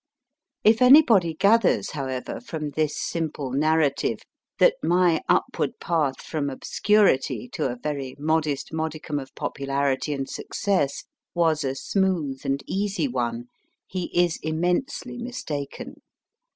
If anybody gathers, however, from this simple narrative, that my upward path from obscurity to a very modest modicum of popularity and success was a smooth and easy one, he is immensely mistaken.